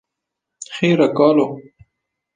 Xêr e kalo